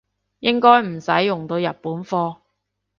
應該唔使用到日本貨